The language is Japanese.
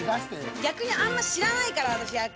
逆にあんま知らないから私野球。